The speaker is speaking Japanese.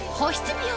美容